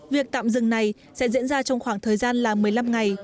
việc tạm dừng này sẽ diễn ra trong khoảng thời gian là một mươi năm ngày